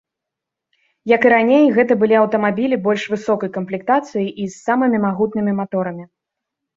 Як і раней, гэта былі аўтамабілі больш высокай камплектацыі і з самымі магутнымі маторамі.